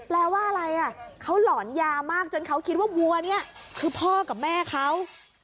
แปลว่าอะไรเขาหลอนยามากจนเขาคิดว่าวัวนี้คือพ่อกับแม่เขา